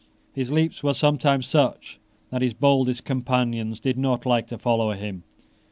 His leaps were sometimes such that his boldest companions did not like to follow him.